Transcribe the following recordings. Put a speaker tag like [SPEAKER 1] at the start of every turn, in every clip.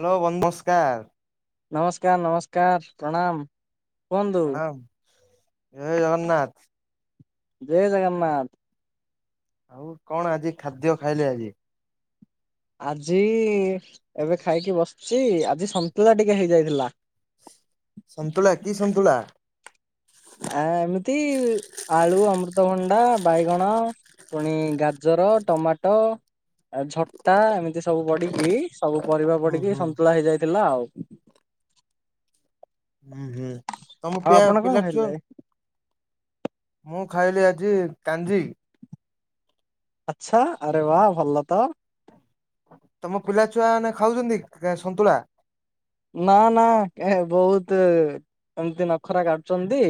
[SPEAKER 1] Hello ବ ନମସ୍କାର।
[SPEAKER 2] ନମସ୍କାର ନମସ୍କାର ପ୍ରଣାମ। କୁହନ୍ତୁ
[SPEAKER 1] ପ୍ରଣାମ ଜୟ ଜଗନ୍ନାଥ।
[SPEAKER 2] ଜୟ ଜଗନ୍ନାଥ।
[SPEAKER 1] ଆଉ କଣ ଆଜି ଖାଦ୍ୟ ଖାଇଲେ ଆଜି?
[SPEAKER 2] ଆଜି ଏବେ ଖାଇକି ବସିଛି ଆଜି ସନ୍ତୁଳା ଟିକେ ହେଇଯାଇଥିଲା। [inaudible]
[SPEAKER 1] ସନ୍ତୁଳା କି ସନ୍ତୁଳା?
[SPEAKER 2] ଆ ଏମିତି ଆଳୁ ଅମୃତଭଣ୍ଡା ବାଇଗଣ ପୁଣି ଗାଜର ଅ ଟମାଟୋ ଆ ଝଟା ଏମିତି ସବୁ ପଡିକି। ସବୁ ପରିବା
[SPEAKER 1] ହୁଁ
[SPEAKER 2] ପଡିକି
[SPEAKER 1] ହୁଁ
[SPEAKER 2] ସନ୍ତୁଳା ହେଇଯାଇଥିଲା ଆଉ।
[SPEAKER 1] ହୁଁ ହୁଁ ତମ
[SPEAKER 2] ଆଉ
[SPEAKER 1] ପା
[SPEAKER 2] ଆପଣ କଣ
[SPEAKER 1] ପିଲା ଛୁଆ।
[SPEAKER 2] ଖାଇଲେ?
[SPEAKER 1] ମୁଁ ଖାଇଲି ଆଜି କାଞ୍ଜି।
[SPEAKER 2] ଆଚ୍ଛା ଆରେ ୱାଃ ଭଲ ତ।
[SPEAKER 1] ତମ ପିଲା ଛୁଆ ମାନେ ଖାଉଛନ୍ତି କା-କା ସନ୍ତୁଳା?
[SPEAKER 2] ନା ନା ଏ ବହୁତ। ଏମିତି ନଖରା କାଢୁଛନ୍ତି।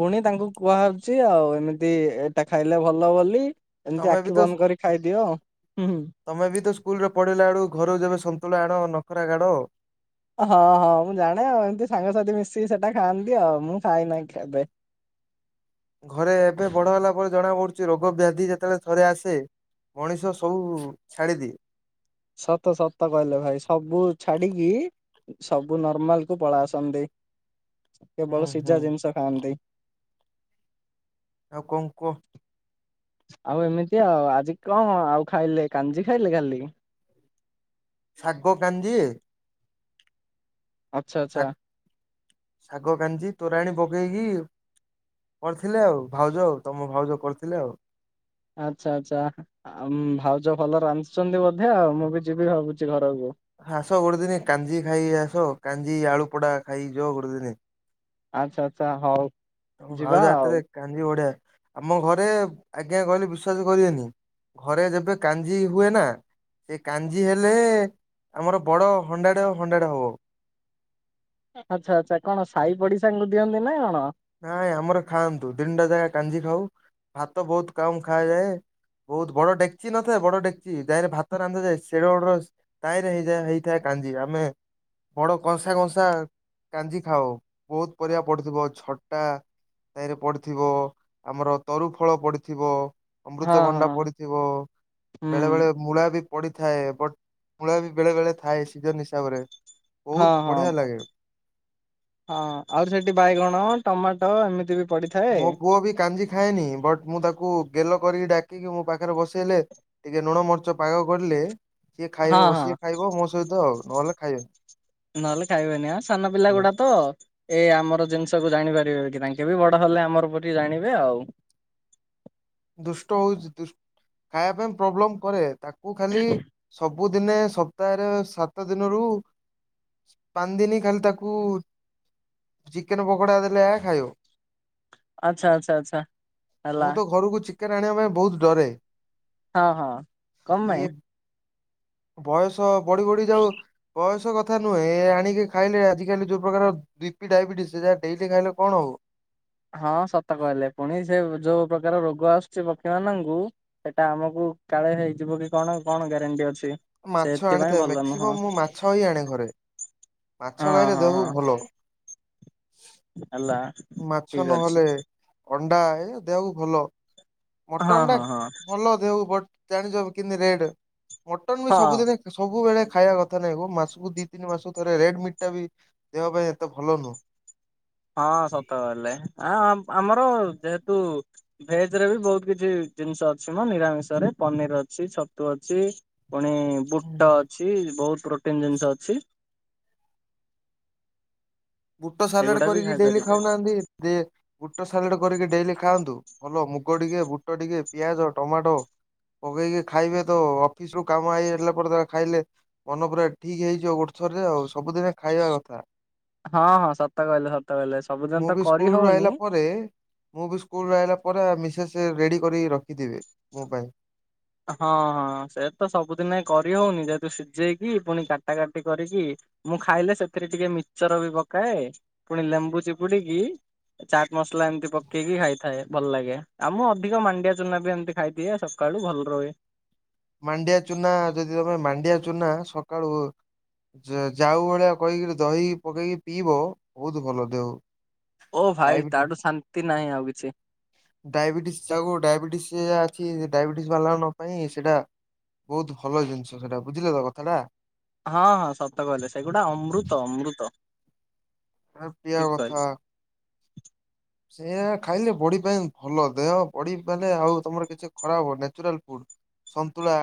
[SPEAKER 2] ପୁଣି ତାଙ୍କୁ କୁହାହଉଛି ଆଉ ଏମିତି ଏ-ଏଇଟା ଖାଇଲେ ଭଲ ବୋଲି। ଏମିତି
[SPEAKER 1] ତମେ ବି
[SPEAKER 2] ଆଖି
[SPEAKER 1] ତ
[SPEAKER 2] ବନ୍ଦ କରି ଖାଇଦିଅ। ହୁଁ ହୁଁ।
[SPEAKER 1] ତମେ ବି ତ ସ୍କୁଲରେ ପଢିଲା ବେଳୁ ଘରୁ ଯେବେ ସନ୍ତୁଳା ଆଣ ନଖରା କାଢ।
[SPEAKER 2] ହଁ ହଁ ମୁଁ ଜାଣେ ଆଉ ଏମିତି ସାଙ୍ଗସାଥି ମିଶିକି ସେଟା ଖାଆନ୍ତି ଆଉ ମୁଁ ଖାଇନାହିଁ କେବେ। ହ
[SPEAKER 1] ଘରେ ଏବେ ବଡ ହେଲା ପରେ ଜଣା ପଡୁଛି ରୋଗ ବ୍ୟାଧି ଯେତେବେଳେ ଥରେ ଆସେ। ମଣିଷ ସବୁ ଛାଡିଦିଏ।
[SPEAKER 2] ସତ ସତ କହିଲ ଭାଇ ସବୁ ଛାଡିକି। ସବୁ ନର୍ମାଲ କୁ ପଳ ଆସନ୍ତି
[SPEAKER 1] ହୁଁ
[SPEAKER 2] କେବଳ
[SPEAKER 1] ହୁଁ
[SPEAKER 2] ସିଝା ଜିନିଷ ଖାଆନ୍ତି।
[SPEAKER 1] ଆଉ କଣ କୁହ?
[SPEAKER 2] ଆଉ ଏମିତି ଆଉ ଆଜି କଣ ଆଉ ଖାଇଲେ କାଞ୍ଜି ଖାଇଲେ ଖାଲି?
[SPEAKER 1] ଶାଗ କାଞ୍ଜି ଏ।
[SPEAKER 2] ଆଚ୍ଛା ଆଚ୍ଛା।
[SPEAKER 1] ଶାଗ କାଞ୍ଜି ତୋରାଣୀ ପକେଇକି। କରିଥିଲେ ଆଉ ଭାଉଜ ଆଉ ତମ ଭାଉଜ କରିଥିଲେ ଆଉ।
[SPEAKER 2] ଆଚ୍ଛା ଆଚ୍ଛା ଆମ ଭାଉଜ ଭଲ ରାନ୍ଧୁଛନ୍ତି ବୋଧେ ଆଉ ମୁଁ ବି ଯିବି ଭାବୁଛି ଘର
[SPEAKER 1] ଆସ ଗୋଟେ ଦିନି କାଞ୍ଜି ଖାଇକି ଆସ କାଞ୍ଜି ଆଳୁପୋଡା ଖାଇକି ଯିବ ଗୋଟେ ଦିନି।
[SPEAKER 2] ଆଚ୍ଛା ଆଚ୍ଛା ହଉ।
[SPEAKER 1] ତମ
[SPEAKER 2] ଯିବା
[SPEAKER 1] ଭାଉଜ
[SPEAKER 2] ଆଉ।
[SPEAKER 1] ହାତରେ କାଞ୍ଜି ବଢିଆ ଆମ ଘରେ ଆଜ୍ଞା କହିଲେ ବିଶ୍ଵାସ କରିବେନି। ଘରେ ଯେବେ କାଞ୍ଜି ହୁଏ ନା। ସେ କାଞ୍ଜି ହେଲେ ଆମର ବଡ ହଣ୍ଡା ଟାଏ ହଣ୍ଡା ଟେ ହବ।
[SPEAKER 2] ଆଚ୍ଛା ଆଚ୍ଛା କଣ ସାହି ପଡିଶାଙ୍କୁ ଦିଅନ୍ତି ନା କଣ?
[SPEAKER 1] ନାଇଁ ଆମର ଖାଆନ୍ତୁ ଦିନଟା ଯାକା କାଞ୍ଜି ଖାଉ ଭାତ ବହୁତ କମ ଖା ଯାଏ। ବହୁତ ବଡ ଡେକଚି ନଥାଏ ବଡ ଡେକଚି ତାହିଁରେ ଭାତ ରାନ୍ଧାଯାଏ ସେଡ ବଡର ତାହିଁରେ ହେଇଯାଏ ହେଇଥାଏ କା କାଞ୍ଜି ଆମେ ବଡ କଂସା କଂସା କାଞ୍ଜି ଖାଉ। ବହୁତ ପରିବା ପଢୁଥିବ ଛଟ ଟା ତାରେ ପଡିଥିବ ଆମର ତରୁ ଫଳ ପଡିଥିବ।
[SPEAKER 2] ହଁ
[SPEAKER 1] ଅମୃତଭଣ୍ଡା
[SPEAKER 2] ହଁ
[SPEAKER 1] ପଡିଥିବ
[SPEAKER 2] ହୁଁ
[SPEAKER 1] ବେଳେ ବେଳେ ମୂଳା ବି ପଡିଥାଏ ବଟ୍ ମୂଳା ବି ବେଳେ ବେଳେ ଥାଏ ସିଜନ ହିସାବରେ।
[SPEAKER 2] ହଁ
[SPEAKER 1] ବହୁତ
[SPEAKER 2] ହଁ।
[SPEAKER 1] ବଢିଆ ଲାଗେ।
[SPEAKER 2] ହଁ ଆହୁରି ସେଠି ବାଇଗଣ ଟମାଟୋ ଏମିତି ବି ପଡିଥାଏ।
[SPEAKER 1] ମୋ ପୁଅ ବି କାଞ୍ଜି ଖାଏନି ବଟ୍ ମୁଁ ତାକୁ ଗେଲ କରି ଡା ସିଏ ମୋ ପାଖରେ ବସେଇଲେ ଟିକେ ଲୁଣ ମର୍ଚ୍ଚ ପାଗ କରିଲେ ସିଏ
[SPEAKER 2] ହଁ
[SPEAKER 1] ଖାଇବେ
[SPEAKER 2] ହଁ।
[SPEAKER 1] ବସିଏ ଖାଇବ ମୋ ସହିତ ଆଉ ନହେଲେ ଖାଇବେନି।
[SPEAKER 2] ନହେଲେ ଖାଇବେନି ସାନ ପିଲା ଗୁଡା ତ ଏ ଆମର ଜିନିଷକୁ ଜାଣିପାରିବେ କି ତାଙ୍କେ ବି ବଡ ହେଲେ ଆମର ପ ଜାଣିବେ ଆଉ।
[SPEAKER 1] ଦୁଷ୍ଟ ହଉଛି ଖାଇବା ପାଇଁ ପ୍ରୋବ୍ଲେମ କରେ ତାକୁ ଖାଲି ସବ ସବୁ ଦିନେ ସପ୍ତାହରେ ସାତ ଦିନରୁ ପାଞ୍ଚ ଦିନି ଖାଲି ତାକୁ ଚିକେନ ପକୋଡା ଦେଲେ ଖାଇବ।
[SPEAKER 2] ଆଛା ଆଛା ଆଛା ହେଲା।
[SPEAKER 1] ମୁଁ ତ ଘରକୁ ଚିକେନ ଆଣିବା ପାଇଁ ବହୁତ ଡରେ।
[SPEAKER 2] ହଁ ହଁ କମ
[SPEAKER 1] ଇଏ
[SPEAKER 2] ପାଇଁ?
[SPEAKER 1] ବୟସ ବଢି ବଢି ଯାଉ ବୟସ ଥା ନୁହେଁ ଆଣିକି ଖାଇଲେ ଆଜିକାଲି ଯୋଉ ପ୍ରକାର ବିପି ଡାଇବେସ୍ ଯାହା ଡେଲି ଖାଇଲେ କଣ ହବ।
[SPEAKER 2] ହଁ ସତ କହିଲେ ପୁଣି ସେ ଯୋଉ ପ୍ରକାର ରୋଗ ଆସୁଛି ପକ୍ଷୀ ମାନଙ୍କୁ ସେଟା ଆମକୁ କାଳେ ହେଇଯିବ କି କଣ କଣ ଗ୍ୟାରେଣ୍ଟି ଅଛି।
[SPEAKER 1] ମାଛ
[SPEAKER 2] ସେଥିପାଇଁ
[SPEAKER 1] ଆଣିଥାଏ
[SPEAKER 2] ଭଲ ନୁହଁ
[SPEAKER 1] ମ୍ୟାକ୍ସିମମ୍
[SPEAKER 2] ହଁ
[SPEAKER 1] ମୁଁ ମାଛ ହି ଆଣେ ଘରେ। ମାଛ ଖାଇଲେ
[SPEAKER 2] ହଁ
[SPEAKER 1] ଦେହ କୁ
[SPEAKER 2] ହଁ
[SPEAKER 1] ଭଲ।
[SPEAKER 2] ହେଲା।
[SPEAKER 1] ମାଛ
[SPEAKER 2] ଠିକ ଅଛି
[SPEAKER 1] ନହେଲେ ଅଣ୍ଡା ଏ ଦେହକୁ ଭଲ।
[SPEAKER 2] ହଁ
[SPEAKER 1] ମଟନ ଟା
[SPEAKER 2] ହଁ ହଁ
[SPEAKER 1] ଭଲ ଦେହକୁ ବଟ ଜାଣିଛ କେମତି ରେଟ ମଟନ୍ ବି
[SPEAKER 2] ହଁ
[SPEAKER 1] ସବୁଦିନେ ସବୁବେଳେ ଖାଇବା କଥା ନୁହେଁ ମାସକୁ ଦି ତିନି ମାସ ଥରେ ରେଡ ମିଟ୍ଟା ବି ଦେହ ପାଇଁ ଏତେ ଭଲ ନୁହଁ।
[SPEAKER 2] ହଁ ସତ କହେଲେ ଆ ଆମର ଯେହେତୁ ଭେଜ ରେ ବି ବହୁତ କିଛି ଜିନିଷ ଅଛି ମୋ ନିରାମିଷ ରେ ପନିର ଅଛି ଛତୁ ଅଛି। ପୁଣି ବୁଟ ଅଛି ବହୁତ ପ୍ରୋଟିନ ଜିନିଷ ଅଛି।
[SPEAKER 1] ବୁଟ ସାଲାଡ
[SPEAKER 2] ଏଗୁଡା ବି
[SPEAKER 1] କରିକି ଡେଲି
[SPEAKER 2] ଖାଇପାରିବେ।
[SPEAKER 1] ଖାଉନାହାନ୍ତି ଦେ ବୁଟ ସାଲାଡ କରିକି ଡେଲି ଖାଆନ୍ତୁ ଭଲ ମୁଗ ଟିକେ ବୁଟ ଟିକେ ପିଆଜ ଟମାଟୋ। ପକେଇକି ଖାଇବେ ତ ଅଫିସ ରୁ କାମ ହେଇଗଲା ପରେ ତା ଖାଇଲେ ମନ ପୁରା ଠିକ ହେଇଯିବ ରେ ଆଉ ସବୁଦିନେ ଖାଇବା କଥା।
[SPEAKER 2] ହଁ ହଁ ସତ କହିଲେ ସତ କହିଲେ
[SPEAKER 1] ମୁଁ
[SPEAKER 2] ସବୁଦିନ ତ
[SPEAKER 1] ବି
[SPEAKER 2] କରି
[SPEAKER 1] ସ୍କୁଲରୁ ଆଇଲା
[SPEAKER 2] ହଉନି।
[SPEAKER 1] ପରେ ମୁଁ ବି ସ୍କୁଲ ରହିଲା ପରେ ମିସେସ୍ ରେଡି କରି ରଖିଥିବି ମୋ ପାଇଁ।
[SPEAKER 2] ହଁ ହଁ ସେ ତ ସବୁଦିନ କରି ହଉନି ଯେହେତୁ ସିଝେଇକି ପୁଣି କାଟା କାଟି କରିକି ମୁଁ ଖାଇଲେ ସେଥିରେ ଟିକେ ମିଚର ବି ପକାଏ ପୁଣି ଲେମ୍ବୁ ଚିପୁଡିକ କି ଚାଟ ମସଲା ଏମିତି ପକେଇକି ଖାଇଥାଏ ଭଲ ଲାଗେ ଆ ମୁଁ ଅଧିକ ମାଣ୍ଡିଆ ଚୁନା ବି ଏମିତି ଖାଇଥଏ ସକାଳୁ ଭଲ ଲ ରହେ।
[SPEAKER 1] ମାଣ୍ଡିଆ ଚୁନା ଯଦି ତମେ ମାଣ୍ଡିଆ ଚୁନା ସକାଳୁ ଯାଉ ଭଳିଆ କହିକିରି ଦହି ପକେଇକି ପିଇବ ବହୁତ ଭଲ ଦେହ
[SPEAKER 2] ଓ ଭାଇ ତାଠୁ ଶାନ୍ତି ନାହିଁ ଆଉ କିଛି।
[SPEAKER 1] ଡାଇବେଟିସ ଯା ଡାଇବେଟିସ ଯ ଅଛି ଡାଇବେଟିସ ବାହାର ନ ପାଇଁ ସେଇଟା ବହୁତ ଭଲ ଜିନିଷ ସେଇଟା ବୁଝିଲେ ତ କଥାଟା?
[SPEAKER 2] ହଁ ହଁ ଶତ କହିଲେ ସେଗୁଡା ଅମୃତ ଅମୃତ।
[SPEAKER 1] ଏ ପ୍ରିୟ
[SPEAKER 2] ଠିକ କହିଲେ
[SPEAKER 1] କଥା ସେଆ ଖାଇଲେ ବଡ଼ି ପାଇଁ ଭଲ ଦେହ ବଡ଼ି ମାନେ ଆଉ ତମର କିଛି ଖରାପ ହବନି ନାଚୁରାଲ ଫୁଡ। ସନ୍ତୁଳା।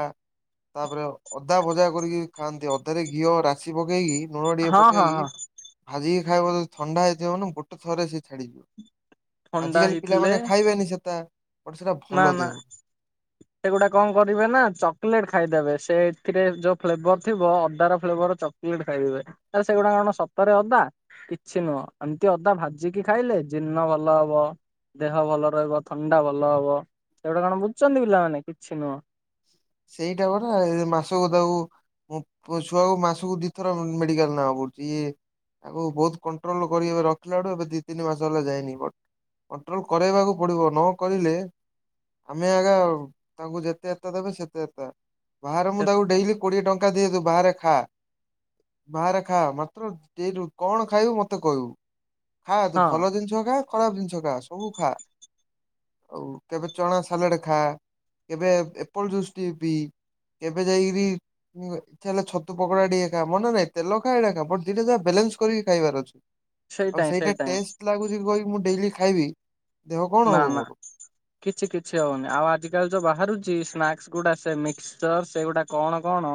[SPEAKER 1] ତାପରେ ଅଦା ଭଜା କରିକି ଖାଆନ୍ତି ଅଧାରେ ଘିଅ ରାଶି ପକେଇକି ଲୁଣ ଟିକେ
[SPEAKER 2] ହଁ ହଁ ହଁ
[SPEAKER 1] ପକେଇକି ଭାଜିକି ଖାଇବ ଯଦି ଥଣ୍ଡା ହେଇଥିବ ମାନେ ଗୋଟେ ଥରେ ସେ ଛାଡିଯିବ।
[SPEAKER 2] ଥଣ୍ଡା
[SPEAKER 1] ଆଜିକାଲି
[SPEAKER 2] ହେଇଥିଲେ
[SPEAKER 1] ପିଲାମାନେ ଖାଇବେନି ସେଟା। ବଟ ସେଟା
[SPEAKER 2] ନା
[SPEAKER 1] ଭଲ
[SPEAKER 2] ନା
[SPEAKER 1] ଦେହକୁ
[SPEAKER 2] ସେଗୁଡ଼ା କଣ କରିବେ ନା ଚକଲେଟ ଖାଇଦେବେ ସେ ଏଥିରେ ଯୋଉ ଫ୍ଲେଭର ଥିବ ଅଦା ର ଫ୍ଲେଭର ଚକୋଲେଟ ଖାଇବେ ତାଲେ ସେଗୁଡା କଣ ସତରେ ଅଦା? କିଛି ନୁହଁ ଏମିତି ଅଦା ଭାଜିକି ଖାଇଲେ ଜୀର୍ଣ୍ଣ ଭଲ ହବ। ଦେହ ଭଲ ରହିବ ଥଣ୍ଡା ଭଲ ହବ ସେଗୁଟା କଣ ବୁଝୁଛନ୍ତି ପିଲାମାନେ କିଛି ନୁହଁ।
[SPEAKER 1] ସେଇଟା ପରା ଏ ମାସକୁ ଦାଉ ମଁ ଛୁଆକୁ ମାସକୁ ଦିଥର ମେଡିକାଲ ନବାକୁ ପଡୁଛି ଇଏ ଆଗକୁ ବହୁତ କଣ୍ଟ୍ରୋଲ କରି ରଖିଲାଠୁ। ବଲ ଏବେ ଦି ତିନି ମାସ ହେଲା ଯାଇନି ବଟ କଣ୍ଟ୍ରୋଲ କରାଇବାକୁ ପଡିବ ନକରିଲେ ଆମେ ଆଗା ତାଙ୍କୁ ଯେତେ ଦେବେ ସେତେ ବାହାରେ ମୁଁ ତାକୁ ଡେ଼ଲି କୋଡିଏ ଟଙ୍କା ଦିଏ ବାହାରେ ଖା ବାହାରେ ଖା ମାତ୍ର କଣ ଖାଇବୁ ମତେ କହିବୁ। ଖା ତୁ
[SPEAKER 2] ହଁ
[SPEAKER 1] ଭଲ ଜିନିଷ ଖା ଖରାପ ଜିନିଷ ଖା ସବୁ ଖା। ଆଉ କେବେ ଚଣା ସାଲାଡ ଖା କେବେ ଏପଲ ଜୁସ୍ ଟି ପିଇ। କେବେ ଯାଇକିରି ହେଲେ ଇଚ୍ଛା ହେଲେ ଛତୁ ପକୋଡା ଟିକେ ଖା ମନା ନାଇଁ ତେଲ ଖାଟା ଦିଟେ ଯାହା ବେ ଲାନ୍ସ କରିକି ଖାଇବାର ଅଛି ଆଉ ସେଇଟା ଟେଷ୍ଟ ଲାଗୁଚି କହିଁକି ମୁ ଡେଲି ଖାଇବି ଦେହ କଣ
[SPEAKER 2] ନା
[SPEAKER 1] ହବ
[SPEAKER 2] ନା
[SPEAKER 1] ମୋର
[SPEAKER 2] କିଛି କିଛି ହଉନି ଆଉ ଆଜି କାଲି ଯୋଉ ବାହାରୁଛି ଶ୍ନା ଗୁଡା ସେ ମିକସଚର ସେଗୁଟା କଣ କଣ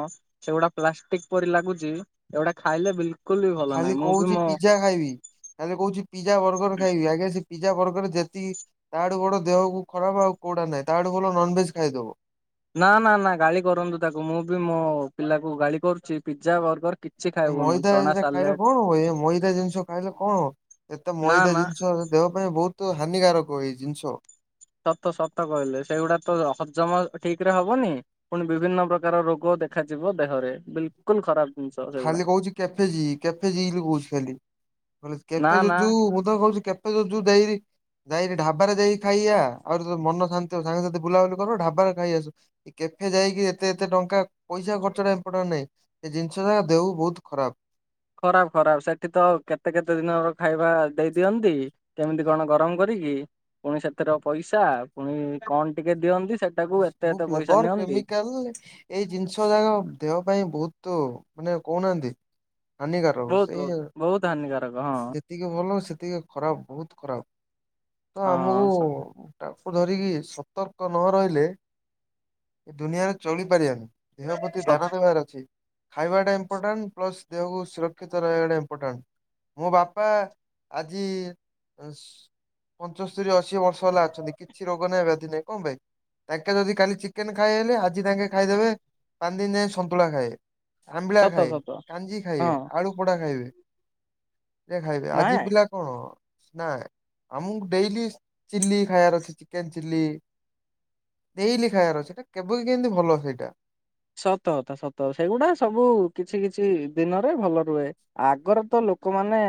[SPEAKER 2] ସେଗୁଟା ପ୍ଲାଷ୍ଟିକ ପରି ଲାଗୁଛି ସେଗୁଟା ଖାଇଲେ ବିଲ
[SPEAKER 1] ଖାଲି କହୁଛି ପିଜା ଖାଇବି। ଖାଲି କହୁଛି ପିଜା ବର୍ଗର ଖାଇବି ଆଜ୍ଞା ସେ ପିଜା ବର୍ଗର ଯେତିକି ତାଡୁ ବଡ ଦେହକୁ ଖରାପ ଆଉ କଉଟା ନାହିଁ ତାହାଡୁ ଭଲ ନନଭେଜ୍ ଖାଇଦବ।
[SPEAKER 2] ନା ନା ନା ଗାଳି କରନ୍ତୁ ତାକୁ। ମୁଁ ବି ମୋ ପିଲାକୁ ଗାଳି କରୁଛି ପିଜା ବର୍ଗର କିଛି ଖାଇବୁନୁ
[SPEAKER 1] ମଇଦା
[SPEAKER 2] ଚଣା
[SPEAKER 1] ଏ ଖାଇଲେ
[SPEAKER 2] ସାଲେଟ
[SPEAKER 1] କଣ ହୁଏ? ଏ ମଇଦା ଜିନିଷ ଖାଇଲେ କଣ? ଏତେ
[SPEAKER 2] ନା
[SPEAKER 1] ମଇଦା
[SPEAKER 2] ନା
[SPEAKER 1] ଜିନିଷ ଦେହ ପାଇଁ ବହୁତ ହାନିକାରକ ଏଇ ଜିନିଷ।
[SPEAKER 2] ସତ ସତ କହିଲେ ସେଗୁଡା ତ ହଜମ ଠିକ ରେ ହବନି ପୁଣି ବିଭିନ୍ନ ପ୍ରକାର ରୋଗ ଦେଖାଯିବ ଦେହରେ ବିଲକୁଲ ଖରାପ ଜିନିଷ ସେଗୁଡା।
[SPEAKER 1] ଖାଲି କହୁଛି କେଫେ ଯିବି କେଫେ ଯିବି ବୋଲି କହୁଛି ଖାଲି। କହିଲି
[SPEAKER 2] ନା
[SPEAKER 1] କେଫେ
[SPEAKER 2] ନା
[SPEAKER 1] ଯୋଜୁ ମୁଁ ତ କହୁଛି କେଫେ ଯୋଜୁ ଦେଇରି ଯାଇକି ଢାବାରେ ଯାଇକି ଖାଇଆ। ଆହୁରି ଯେତେବେଳେ ମନ ଶାନ୍ତି ହ ସାଙ୍ଗେ ସାଥିେ ବୁଲାବୁଲି କରିବ ଢାବାରେ ଖାଇଆ ଆସୁ କେ ଏଖେ ଯାଇକି ଏତେ ଏତେ ଟଙ୍କା ପଇସା ଖର୍ଚ ଟା ଇମ୍ପୋଟାଣ୍ଟ ନାହିଁ ଏ ଜି ନିଷ ଯା ଦେହକୁ ବହୁତ ଖରାପ।
[SPEAKER 2] ଖରାପ ଖରାପ ସେଠି ତ କେତେ କେତେ ଦିନ ଖାଇବା ଦେଇ ଦିଅନ୍ତି କେମିତି କଣ ଗରମ କରି ପୁଣି ସେଥିର ପଇସା ପୁଣି କଣ ଟିକେ ଦିଅନ୍ତି ସେଟାକୁ ଏତେ
[SPEAKER 1] ସବୁ
[SPEAKER 2] ଏତେ ପଇସା
[SPEAKER 1] ଫ୍ଲେବର
[SPEAKER 2] ନିଅନ୍ତି
[SPEAKER 1] କେମିକାଲ ଏଇ ଜିନିଷ ଯାକ ଦେହ ପାଇଁ ବହୁତ ମାନେ କହୁନାହାନ୍ତି ହାନିକାର
[SPEAKER 2] ବହୁତ
[SPEAKER 1] ସେଇ
[SPEAKER 2] ବହୁତ ବହୁତ ହାନିକାରକ ହଁ
[SPEAKER 1] ଯେତିକି ଭଲ ସେତିକି ଖରାପ ବହୁତ ଖରାପ। ତ ଆମକୁ
[SPEAKER 2] ହଁ
[SPEAKER 1] ଧରିକି ସତର୍କ ନ ରହିଲେ ଏ ଦୁନିଆରେ ଚଳିପାରିବାନି। ଦେହ ପ୍ରତି ଧ୍ୟାନ ଦେବାର ଅଛି। ଖାଇବାଟା ଇମ୍ପୋର୍ଟାଣ୍ଟ ପ୍ଲସ୍ ଦେହକୁ ସୁରକ୍ଷିତ ରହିବାଟା ଇମ୍ପୋର୍ଟାଣ୍ଟ। ମୋ ବାପା ଆଜି ସ ପଞ୍ଚସ୍ତରୀ ଅ ଅଶୀ ବର୍ଷ ହେଲା ଅଛନ୍ତି କିଛି ରୋଗ ନାହିଁ ବ୍ୟାଧି ନାହିଁ କଣ ପାଇଁ? ତାଙ୍କେ ଯଦି କାଲି ଚିକେନ ଖାଇଏ ହେଲେ ଆଜି ତାଙ୍କେ ଖାଇଦେବେ ପାଞ୍ଚ ଦିନ ଯାଏଁ ସନ୍ତୁଳା ଖାଇଏ। ଆମ୍ବିଳା
[SPEAKER 2] ସତ
[SPEAKER 1] ଖାଏ
[SPEAKER 2] ସତ।
[SPEAKER 1] କାଞ୍ଜି
[SPEAKER 2] ହଁ
[SPEAKER 1] ଖାଇବେ ଆଳୁ ପୋଡା ଖାଇବେ। ଖାଇବେ
[SPEAKER 2] ନାଇଁ
[SPEAKER 1] ଆଜି
[SPEAKER 2] ନାଇଁ
[SPEAKER 1] ପିଲା କଣ? ନା ଆମକୁ ଡେଲି ଚିଲି ଖାଇବାର ଅଛି ଚିକେନ ଚିଲି ଡେଲି ଖାଇବାର ଅଛି। ସେଇଟା କେବେ କି କେମତି ଭଲ ସେଇଟା।
[SPEAKER 2] ସତ କଥା ସତ ସେଇଗୁଡା ସବୁ କିଛି କିଛି ଦିନରେ ଭଲ ରୁହେ ଆଗରେ ତ ଲ ଲୋକମାନେ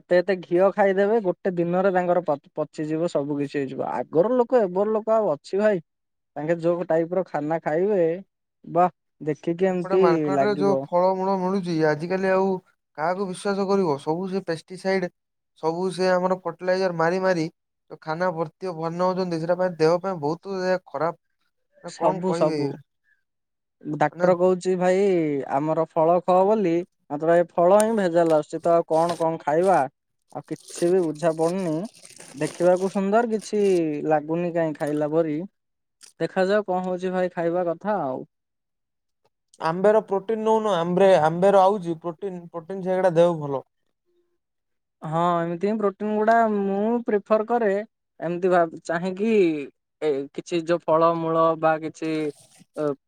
[SPEAKER 2] ଏତେ ଏତେ ଘିଅ ଖାଇଦେବେ ଗୋଟେ ଦିନରେ ତାଙ୍କର ପ ପଚିଯିବ ସବୁ କିଛି ହେଇଯିବ। ଆଗର ଲୋକ ଏବେର ଲୋକ ଆଉ ଅଛି ଭାଇ ତାଙ୍କେ ଯୋଉ ଟାଇପ ର ଖାନା ଖାଇବେ ବା। ଦେଖିକି
[SPEAKER 1] ଏପଟେ
[SPEAKER 2] ଏମିତି
[SPEAKER 1] ମାର୍କେଟ ରେ ଯୋଉ
[SPEAKER 2] ଲାଗିବ
[SPEAKER 1] ଫଳମୂଳ ମିଳୁଛି, ଆଜିିକାଲି ଆଉ କାହାକୁ ବିଶ୍ଵାସ କରିବ ସବୁ ସେ ପେଷ୍ଟିସାଇଡ ସବୁ ସେ ଆମର ଫର୍ଟିଲାଇଜର ମାରି ମାରି ଖାନା ଭର୍ତ୍ତିଆ ବନଉଛନ୍ତି ସେଟା ପାଇଁ ଦେହ ପାଇଁ ବହୁତ ଖରାପ କଣ
[SPEAKER 2] ସବୁ
[SPEAKER 1] କହିବେ
[SPEAKER 2] ସବୁ ଡାକ୍ତର
[SPEAKER 1] ମାନେ
[SPEAKER 2] କହୁଚି ଭାଇ ଏଇ ଆମର ଫଳ ଖାଓ ବୋଲି ମତେ ଏ ଫଳ, ହିଁ ଭେଜାଲ ଆସୁଚି ତ ଆଉ କଣ କଣ ଖାଇବା? ଆଉ କିଛି ବି ବୁଝାପଡୁନି। ଦେଖିବାକୁ ସୁନ୍ଦର କିଛି ଲାଗୁନି କାହିଁ ଖାଇଲା ପରି ଦେଖାଯାଉ କଣ ହଉଛି ଭାଇ ଖାଇବା କଥା ଆଉ।
[SPEAKER 1] ଆମ୍ବେର ପ୍ରୋଟିନ ନଉନୁ ଆମବ୍ରେ ଆମ୍ବେ ଆଉଛି, ପ୍ରୋଟିନ ପ୍ରୋଟିନ ସେଗୁଡା ଦେହ ଭଲ।
[SPEAKER 2] ହଁ ଏମିତି ହିଁ ପ୍ରୋଟିନ ଗୁଡା ମୁଁ ପ୍ରିଫର କରେ ଏମିତି ବା ଚାହିଁକି। ଏ କିଛି ଯୋଉ ଫଳମୂଳ ବା କିଛି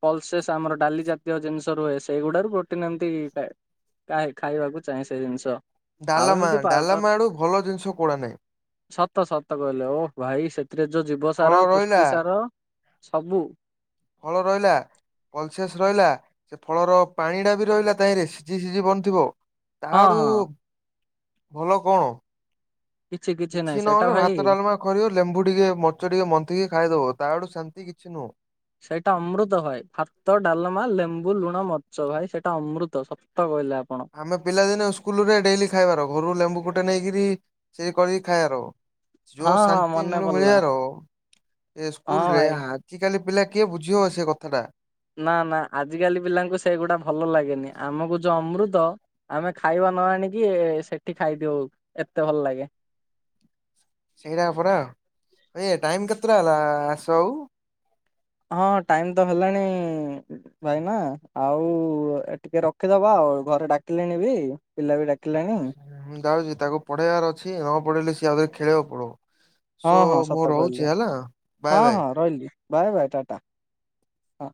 [SPEAKER 2] ପଲସେସ୍ ଆମର ଡାଲି ଜାତୀୟ ଜିନିଷ ରୁହେ ସେଗୁଡାରୁ ପ୍ରୋଟିନ ଏମିତି ଖାଏ। କା ଖାଇବାକୁ ଚାହେଁ ସେ ଜିନିଷ ଆଉ
[SPEAKER 1] ଡାଲାମା
[SPEAKER 2] ଏମିତି ପାଉଡର
[SPEAKER 1] ଡାଲାମା ଆଡୁ ଭଲ ଜିନିଷ କୁଆଡେ ନାହିଁ।
[SPEAKER 2] ସତ ସତ କହିଲେ ଓ ଭାଇ ସେଥିରେ ଯୋଉ ଜୀବ
[SPEAKER 1] ଫଳ
[SPEAKER 2] ସାର
[SPEAKER 1] ରହିଲା
[SPEAKER 2] ପୁଷ୍ଟି ସାର ସବୁ।
[SPEAKER 1] ଭଲ ରହିଲା। କଲସିଅସ ରହିଲା ସେ ଫଳର ପାଣି ଟା ବି ରହିଲା ତାହିଁରେ ସିଝି ସିଝି ବନଥିବ ତା
[SPEAKER 2] ହଁ
[SPEAKER 1] ଆଡୁ
[SPEAKER 2] ହଁ
[SPEAKER 1] ଭଲ କଣ
[SPEAKER 2] ନାହିଁ
[SPEAKER 1] କିଛି
[SPEAKER 2] ସେଇଟା
[SPEAKER 1] ନହେଲେ
[SPEAKER 2] ଭାଇ
[SPEAKER 1] ଭାତ ଡାଲମା କରିବ, ଲେମ୍ବୁ ଟିକେ ମରିଚ ଟିକେ ମନ୍ଥିକି ଖାଇଦବ ତା ଆଡୁ ସେ ତି କିଛି ନୁହଁ।
[SPEAKER 2] ସେଇଟା ଅମୃତ ଭାଇ ଭାତ ଡାଲମା, ଲେମ୍ବୁ ଲୁଣ ମରିଚ୍ ଭାଇ ସେଇଟା ଅମୃତ ସତ କହିଲେ ଆ
[SPEAKER 1] ଆମେ ପିଲାଦିନେ ଇସ୍କୁଲୁ ରେ ଡେଲି, ଖାଇବାର ଘରୁ ଲେମ୍ବୁ ଗୁଟେ ନେଇକିରି ସେ କରିକି ଖାଇବାର। ଯୋଉ
[SPEAKER 2] ହଁ ହଁ
[SPEAKER 1] ଶାନ୍ତି
[SPEAKER 2] ମନେ
[SPEAKER 1] ମିଳୁ
[SPEAKER 2] ପଡିଲା
[SPEAKER 1] ମିଳିବାର ଏ
[SPEAKER 2] ହଁ
[SPEAKER 1] ସ୍କୁଲରେ
[SPEAKER 2] ଭାଇ।
[SPEAKER 1] ଆଜିକାଲି ପିଲା କିଏ ବୁଝିିବ ସେ କଥାଟା
[SPEAKER 2] ନା ନା ଆଜିକାଲି ପିଲାଙ୍କୁ ସେଗୁଡା ଭଲ ଲାଗେନି, ଆମକୁ ଯୋଉ ଅମୃତ ଆମେ ଖାଇବା। ନ ଆଣିକି ସେଠି ଖାଇଦିଉ ଏତେ ଭଲ ଲାଗେ
[SPEAKER 1] ସେଇଟା ପରା ଏ ଟାଇମ କେତେଟା ହେଲା ଆସ ଆଉ।
[SPEAKER 2] ହଁ ଟାଇମ ତ ହେଲାଣି ଭାଇନା ଆଉ ଟିକେ ରଖିଦବା ହଉ ଘରେ ଡାକିଲେଣି ବି ପିଲା ବି ଡାକ
[SPEAKER 1] ମୁଁ ଯାଉଛି ତାକୁ ପଢେଇବାର ଅଛି, ନ ପଢେଇଲେ ସିଏ ଆଉଥରେ ଖେଳିବାକୁ ପଳେଇବ।
[SPEAKER 2] ହଁ
[SPEAKER 1] ସୋ
[SPEAKER 2] ହଁ
[SPEAKER 1] ମୁଁ
[SPEAKER 2] ସତ
[SPEAKER 1] ରହୁଛି
[SPEAKER 2] କହିଲେ
[SPEAKER 1] ହେଲା ବାଏ
[SPEAKER 2] ହଁ
[SPEAKER 1] ବାଏ।
[SPEAKER 2] ହଁ ରହିଲି। ବାଏ ବାଏ ଟାଟା ହଁ।